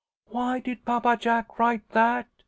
_' "Why did Papa Jack write that?"